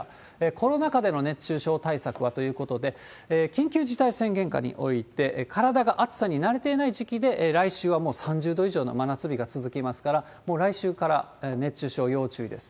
コロナ禍での熱中症対策はということで、緊急事態宣言下において、体が暑さに慣れていない時期で、来週はもう３０度以上の真夏日が続きますから、もう来週から熱中症、要注意です。